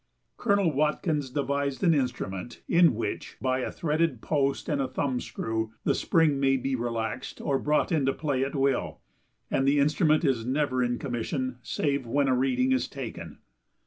Colonel Watkins devised an instrument in which by a threaded post and a thumb screw the spring may be relaxed or brought into play at will, and the instrument is never in commission save when a reading is taken.